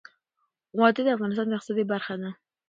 وادي د افغانستان د اقتصاد برخه ده.